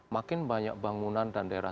makin banyak bangunan dan daerah